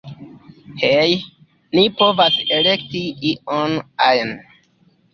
Hej, ni povas elekti ion ajn.